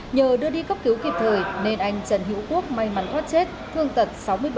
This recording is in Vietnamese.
nhờ đưa đi cấp cứu kịp thời nên anh trần hữu quốc may mắn thoát chết thương tật sáu mươi bảy